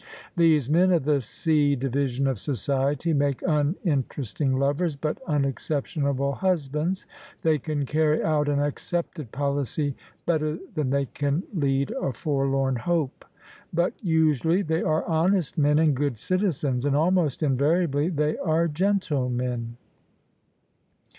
These men of the C. Division of Society make uninteresting lovers but unexceptionable husbands: they can carry out an accepted policy better than they can lead a forlorn hope. But usually they are honest men and good citizens : and almost invariably they are gentlemen.